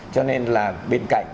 cho nên là bên cạnh